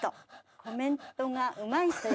コメントがうまい人よ。